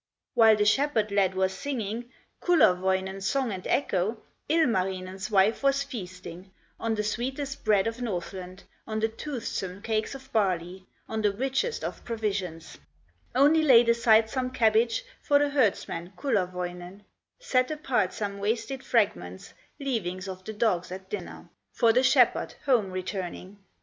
While the shepherd lad was singing Kullerwoinen's song and echo, Ilmarinen's wife was feasting On the sweetest bread of Northland, On the toothsome cakes of barley, On the richest of provisions; Only laid aside some cabbage, For the herdsman, Kullerwoinen; Set apart some wasted fragments, Leavings of the dogs at dinner, For the shepherd, home returning.